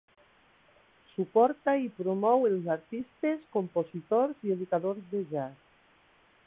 Suporta i promou els artistes, compositors i educadors de jazz.